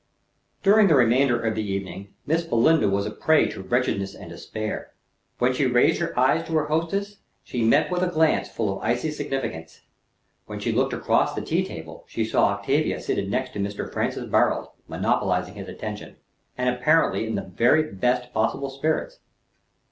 During the remainder of the evening, Miss Belinda was a prey to wretchedness and despair. When she raised her eyes to her hostess, she met with a glance full of icy significance; when she looked across the tea table, she saw Octavia seated next to Mr. Francis Barold, monopolizing his attention, and apparently in the very best possible spirits.